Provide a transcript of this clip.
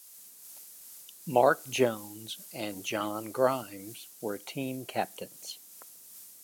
Mark Jones and John Grimes were the team captains.